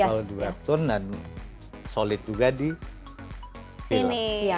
kalau di webtoon dan solid juga di film